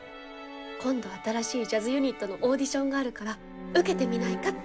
今度新しいジャズユニットのオーディションがあるから受けてみないかって。